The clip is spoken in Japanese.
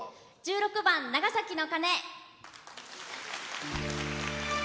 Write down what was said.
１６番「長崎の鐘」。